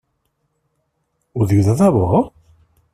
Ho diu de debò?